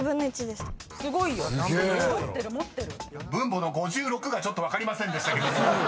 ［分母の「５６」がちょっと分かりませんでしたけども］